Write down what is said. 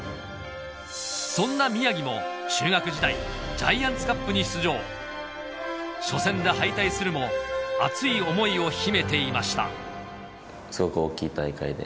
そんな宮城も中学時代ジャイアンツカップに出場初戦で敗退するも熱い思いを秘めていました